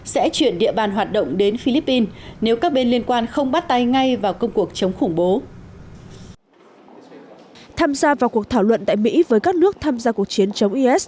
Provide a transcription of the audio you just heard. sẽ chuyển địa bàn hoạt động đến philippines nếu các bên liên quan không bắt tay ngay vào công cuộc chống khủng bố